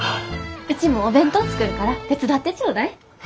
うちもお弁当作るから手伝ってちょうだい。